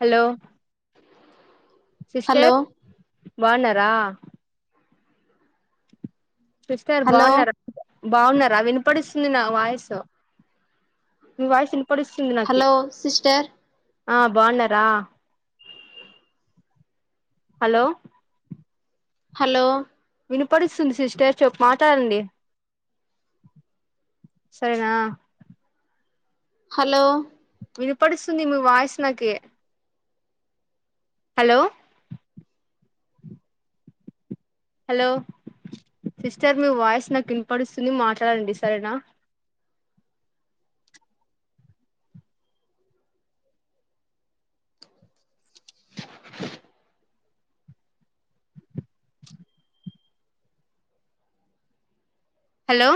Hello hello sister బావునర sister hello బాగున్నార బాగున్నారా వినపడుస్తుంది నా వాయిసు మీ వాయిస్ వినపడిస్తుంది నాకి హలో సిస్టర్ ఆ బావున్నారా హలో హలో వినిపడుస్తుంది సిస్టర్ చెప్పు మాట్లాడండి సరేనా హలో వినిపడుస్తుంది మీ వాయిస్ నాకే హలో హలో సిస్టర్ మీ వాయిస్ నాకు వినపడిస్తుంది మాట్లాడండి సరేనా హలో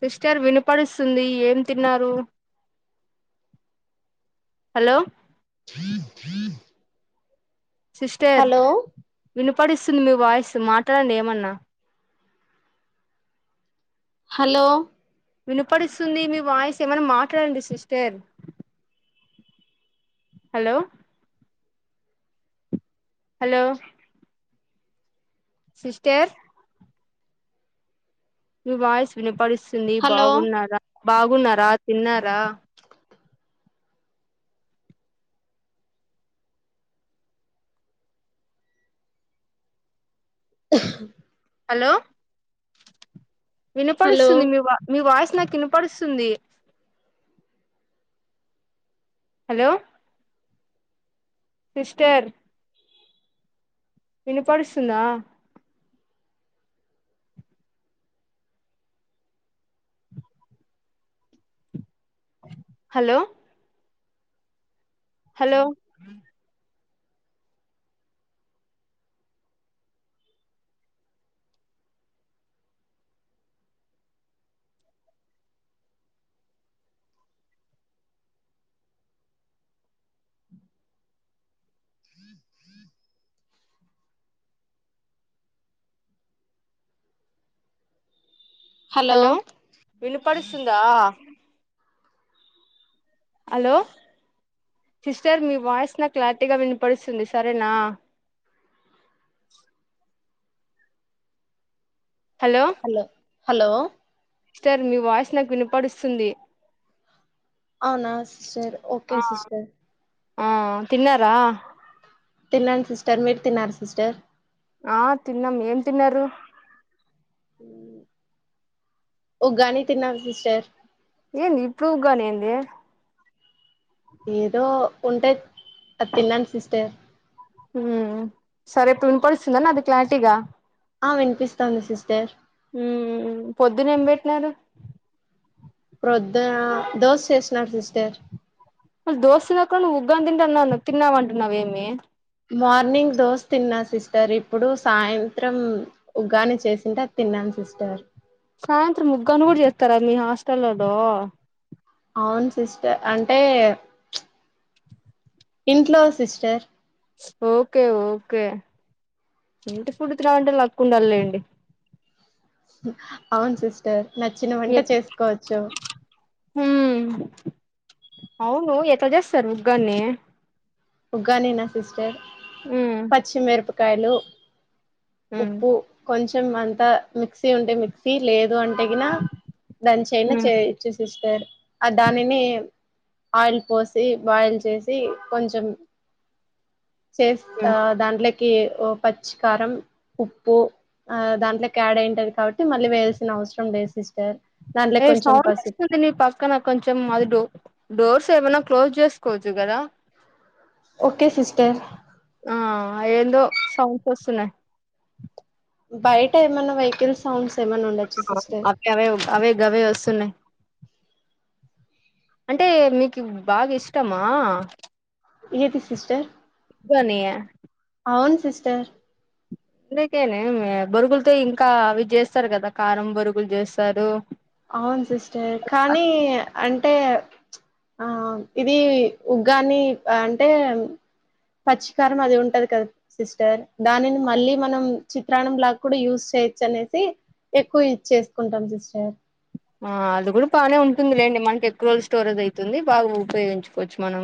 సిస్టర్ వినపడిస్తుంది ఏం తిన్నారు హలో సిస్టర్ హలో వినపడిస్తుంది మీ వాయిస్ మాట్లాడండి హలో వినపడిస్తుంది మీ వాయిస్ ఏమైన్నా మాట్లాడండి సిస్టర్ హలో హలో సిస్టర్ మీ వాయిస్ వినపడు వస్తుంది హలో బాగున్నరా బాగున్నారా తిన్నారా హలో హలో వినపడుస్తుంది మీ వా మీ వాయిస్ నాకు కినపడుస్తుంది హలో సిస్టర్ వినపడుస్తుందా హలో హలో హ హలో వినుపడుస్తుందా హలో సిస్టర్ మీ వాయిస్ నా క్లారిటీగా వినిపడుస్తుంది సరేనా హలో హలో సిస్టర్ మీ వాయిస్ నాకు వినపడుస్తుంది అవునా సరే ఓకే ఆ సిస్టర్ ఆ తిన్నారా తిన్నాంను సిస్టర్ మీరు తిన్నారు సిస్టర్ ఆ తిన్నాం ఏం తిన్నారు ఉగ్గానీ తిన్నాను సిస్టర్ ఏంది ఇప్పుడు ఉగ్గాని ఏంది ఏదో ఉంటయ్ అద్ తిన్నాను సిస్టర్ హు సరే ఇప్పుడు విన్పడుస్తుందా నాది క్లారిటీగా ఆ వినిపిస్తాంది సిస్టర్ మ్మ్ పొద్దునేం పెట్నారు. ప్రొద్దన దోశ చేస్తున్నారు సిస్టర్ ఆ దోశ లోకి కానీ నువ్ ఉగ్గాని తింటన్న అన్నాను, తిన్నావు అంటున్నావు ఏమి మార్నింగ్ దోశ తిన్నా సిస్టర్ ఇప్పుడు సాయంత్రం ఉగ్గాని చేసింటే అది తిన్నాను సిస్టర్ సాయంత్రం ఉగ్గాని కూడా చేస్తారా మీ హాస్టల్లోలు అవును సిస్టర్ అంటే ఇంట్లో సిస్టర్ ఓకే ఓకే ఇంటి ఫుడ్ తినాలి అంటే లక్ ఉండాలి లేండి అవును సిస్టర్ నచ్చిన వంట చేసుకోవచ్చు హ్మ్మ్ అవును ఎట్ల జేస్తారు ఉగ్గాని ఉగ్గాని నా సిస్టర్ ఉమ్ పచ్చిమిరప కాయలు ఉమ్ ఉప్పు కొంచ్ కొంచం అంతా మిక్సీ ఉంటే మిక్సీ లేదు అం తెగిన లంచ్ ఐనా ఉమ్ చే చూసిస్తారు ఆ దానిని ఆయిల్ పోసి బాయిల్ చేసి కొంచెం చేస్త ఉమ్ దాంట్లోక్ కి ఓ పచ్చి కారం ఉప్పు ఆ దాంట్లోకి యాడ్ అయింటాది కాబట్టి మళ్ళీ వేయాల్సిన అవసరం లేదు సిస్టర్. దాంట్లో ఏ కొంచెం సౌండ్ పసుపు వస్తుంది నీ పక్కన కొంచెం అది డో డోర్స్ తే ఏమన్న క్లోజ్ చేసుకోవచ్చు కదా ఓకే సిస్టర్ ఆ ఏందో సౌండ్స్ వస్తున్నాయి బయట ఏమన్నా వెహికిల్ సౌండ్స్ ఏమన్నా ఉండొచ్చు సిస్టర్ ఆ అవే అవే అవి గవే వస్తున్నాయి అంటే మీకి బాగిష్టమా ఎతే సిస్టర్ ఉగ్గాని అవును సిస్టర్ అందుకేనేమి బొరుగుల్తో ఇంకా అవి చేస్తరు కదా కారం బొరుగులు జేస్తారు. అవును సిస్టర్ కానీ అంట్ అంటే ఆ ఇది ఉగ్గాని అంటే పచ్చికారం అది ఉంటది కదా సిస్టర్ దానిని మళ్ళీ మనం చిత్రాన్నం లాక్కూడా యూస్ చేయొచ్చనేసి ఎక్కువ యూస్ చేసుకుంటాం సిస్టర్. ఆ అది కూడా బానే ఉంటుందిలేండి మంటెక్కువ స్టోరేజ్ ఐతుంది బాగ ఉపయోగించు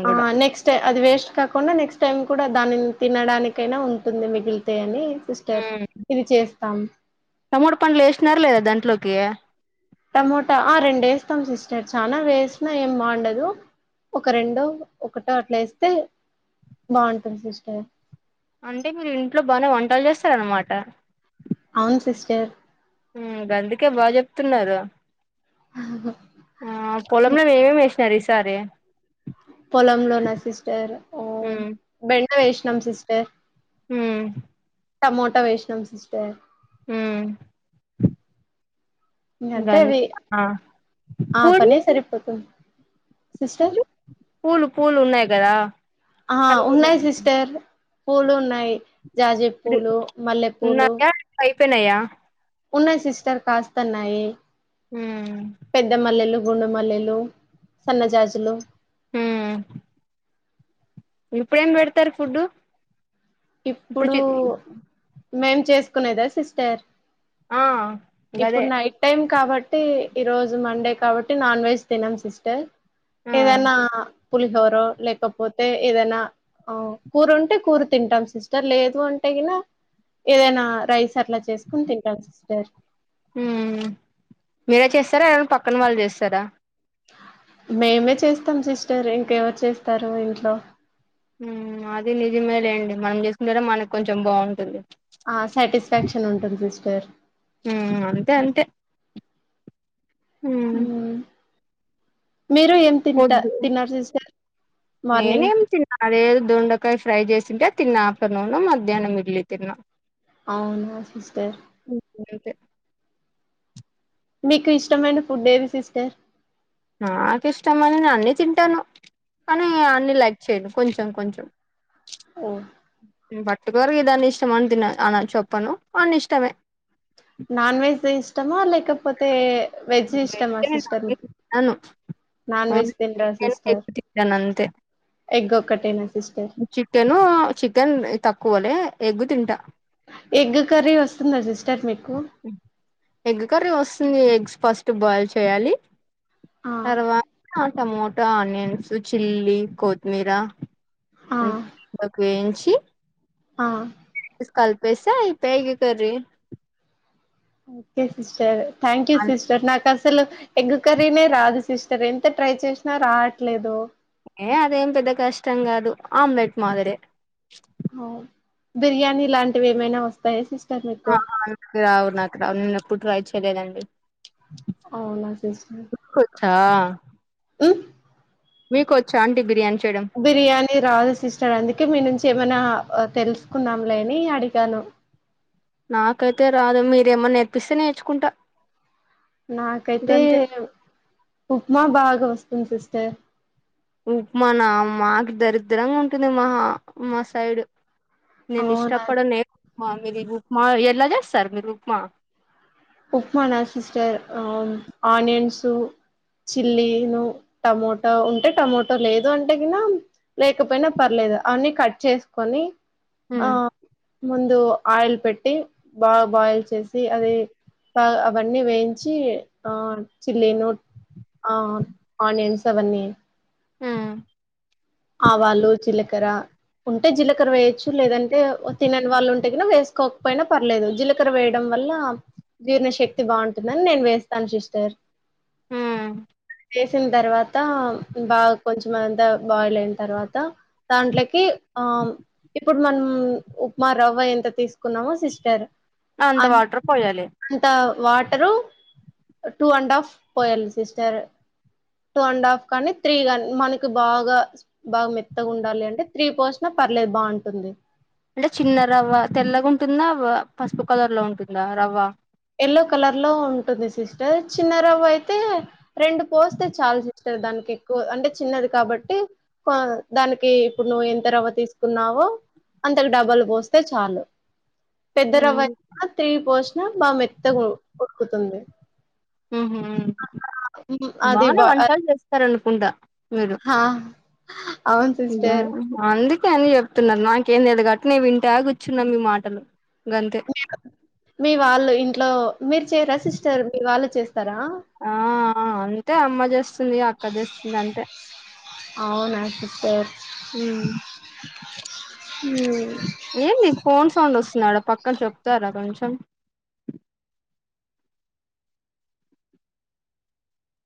ఆ నెక్స్ట్ అది వేస్ట్ కాకుండా నెక్స్ టైం కూడా దానిని తినడానికైనా ఉంటుంది మిగిలితే అని సిస్టర్ ఇది చేస్ తం టమోట పండ్లేసినారా లేదా దాంట్లోకి టమోటా ఆ రెండేస్తాం సిస్టర్ చనా వేసినా ఏం బాండదు ఒక రెండో ఒకటో అట్లా ఏస్తే బాంటుంది సిస్టర్. అంటే మీరు ఇంట్లో బానే వంటలు చేస్తారనమాట అవును సిస్టర్ మ్మ్ గందుకే బా జెప్తున్నారు ఆ పోలం లో ఏమే మేస్ సరె సారి పొలంలో నా సిస్టర్ఓ హ్మ్ బెండ వేసినాం సిస్టర్ హ్మ్ టమోటా వేసనాం సిస్టర్ మ్మ్ ఇంకంతే గన్ అవి ఆ ఆ పూరీ పనే సరిపోతుంది సిస్టర్ పూలు పూలు పూలు ఉన్నాయి కదా ఆ ఉన్నాయి కనకంబరాలు సిస్టర్ పూలున్నాయి జాజీ పూలు మల్లెపూలు పెనయ ఉన్నయ్ సిస్టర్ కాస్తన్నయి మ్మ్ గుండుమల్లెలు సన్నజాజులు హ్మ్మ్ ఇప్పుడేం పెడతారు ఫుడ్డు ఇప్పుడు మేం చేసుకునేదా సిస్టర్ ఆ ఇప్పుడు గదే నైట్ టైమ్ కాబ ట్టి ఈరోజు మండే కాబట్టి నాన్ వెజ్ తినం సిస్టర్ ఆ ఏదన్నా పులిహోరో లేకపోతే ఏదన్నా ఆ కూరుంటె కూర తింటాం స్ సిస్టర్ లేదు అంటే కిన ఏదైనా రైస్ అట్లా చేసుకుని తింటా సిస్టర్ మ్మ్ మీరే చేస్తారా ఎవరన్ పక్కన వాళ్ళు చేస్తారా మేమే చేస్తాం సిస్టర్ ఇంకెవరు చేస్తారు ఇంట్లో మ్మ్ అది నిజమే లేండి మనం జేస్కుంటేనే మనకొంచెం బావుంటుంది. ఆ సాటిస్ఫాక్షన్ ఉంటుంది సార్ హ అంతే అంతే హ మ్ మీరు ఏం తింటా పొద్దు తిన్నారు సిస్టర్ మార్నింగ్ నేనేం తన్నా అదే దొండకాయ ఫ్రై చేసింటే తిన్నా ఆఫ్టర్నూను మధ్యానం ఇడ్లి తిన్నా అవునా సిస్టర్ ఉతే మీకు ఇష్టమైన ఫుడ్ ఏవి సిస్టర్ నాకుష్టమని నే అన్నీ తింటాను కానీ అన్నీ లైక్ చేయను కొంచెం కొంచెం ఓ ఇప్పటి వరకు ఇ దాన్ని ఇష్టం అని తిన్నాను అ చెప్పను అన్ని ఇష్టమే నాన్ వెెజ్ ఇష్టమా లేక పోతే న నాన్ వెజ్ తినరా అంత ఎగ్గ్ ఒక్కటేనా సిస్టర్ చికెను చికెన్ త క్కువలే ఎగ్గు తింటా ఎగ్గు కర్రీ వస్తుందా సిస్టర్ మీకు ఎగ్ కర్రీ వస్తుంది ఎగ్స్ ఫస్ట్ బాయిల్ చేయాలి ఆ తర్వాతంటా రా ఆనియన్స్ చిల్లీ కోతిమీర ఆ [inaudible] కు వేయించి ఆ కల్పేస్తే అయిపోయ్ egg curry okay sister thank you sister నాకస్ అసలు ఎగ్గకరీనే రాదు సిస్టర్ ఎంత ట్రై చేసినా రావట్లేదు ఏ అదేం పెద్ద కష్టం కాదు ఆమ్లెట్ మాదిరి అవును బిర్యానీ లాంటివి ఏమైనా వస్తాయ సిస్ నా నాకు రావు నాకు రావు నేను ఎప్పుడు ట్రై చేయ్ తెలియదండి అవునా సిస్టర్ ఆ మ్మ్ మీకు వచ్చా ఆంటీ బిర్యానీ చు బిర్యానీ రాదు సిస్టర్ అందుకే మీ నుంచి ఏమైనా ఆ తెలుసుకుందాంలే అని అడిగాను నాకైతే రాదు మీరేమన్నా నేర్పిస్తే నేర్చుకుంటా నాకైతే గంతే ఉ ఉప్మా బాగా వస్తంది సిస్టర్ ఉప్మా నా మాకి దరిద్రంగా ఉంటుంది మా మా సైడు నేను అవునా ఇష్టపడనే మా మీరు ఈ ఉప్మా ఎలా చేస్తారు మీరు ఉప్మా ఉప్మానా సిస్టర్ ఆనియన్స్ చిల్లీను టమోటో ఉంటే టమోటో లేదు అంటే గిన లేకపోయినా పర్లేదు అవన్నీ కట్ చేసుకొని ఆ ఉమ్ ముందు ఆయిల్ పెట్టి బాగా బాయిల్ చేసి అది అవన్నీ వేయించి ఆ చిల్లీ నూ ఆ ఆనియన్స్ అవన్నీ ఊ ఆవాలు జీలకర్ర ఉంటే జీలకర్ర వేయొచ్చు లేదంటే తినని వాళ్ళు ఉంటే వేసుకోకపోయినా పర్లేదు జీలకర్ర వేయడం వల్ల జీర్ణ శక్తి బాగుంటుందని నేను వేస్తాను సిస్టర్ ఊ చేసిన తర్వాత బాగా కొంచెం అంతా బాయిల్ అయిన తర్వాత దాంట్లోకి ఆ ప్పుడు మనం ఉప్మా రవ్వ ఎంత తీసుకున్నామో సిస్టర్ అంత అం వాటర్ పోయాలి అంత వాటరు టూ అండ్ హాఫ్ పోయాలి సిస్టర్ టూ అండ్ హాఫ్ కానీ త్రీ కానీ మనకి బాగా బాగా మెత్తగా ఉండాలి అంటే త్రీ పోసినా పర్లేదు బావుంటుంది అంటే చిన్న రవ్వ తెల్లగా ఉంటుందా పసుపు కలర్ లో ఉంటుందా రవ్వ ఎల్లో కలర్ లో ఉంటుంది సిస్టర్ చిన్న రవ్వ అయితే రెండు పోస్తే చాలు సిస్టర్ దానికి ఎక్కువ అంటే చిన్నది కాబట్టి కొ దానికి ఇప్పుడు నువ్వు ఎంత రవ్వ తీసుకున్నావో అంతకు డబుల్ పోస్తే చాలు పెద్దరవ్వ ఉమ్ త్రి పోసిన [unintelligible] మెత్తగా ఉడుకుతుంది అది ఉహూబానే బా వంటలు చేస్తారు అను కుంట హా అవును ఇగ సిస్టర్ అంది కానీ చెప్తున్నారు నాకేం తెలీదు అట్లనే వింటా కూర్చున్నా మీ మాటలు గంతే మీ మీ వాళ్ళు ఇంట్లో మీరుచెయ్యరా సిస్టర్ మీ వాళ్ళు చేస్త తరా ఆ ఆ అంతే అమ్మ చేస్తుంది అక్క చేస్తుంది అంతే అవునా సిస్టర్ ఉమ్ హుమ్ తాలు వస్తున్నాడు పక్కన చెప్తారా కొంచెం